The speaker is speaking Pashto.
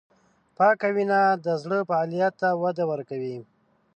پاکه وینه د زړه فعالیت ته وده ورکوي.